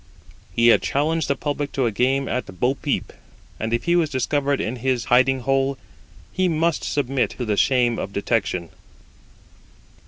He had challenged the public to a game at bo peep, and if he was discovered in his 'hiding hole,' he must submit to the shame of detection.